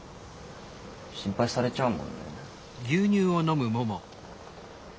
心配されちゃうもんね。